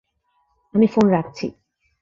আমি ফোন রাখছি।